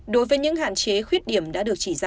đối với những hạn chế khuyết điểm đã được chỉ ra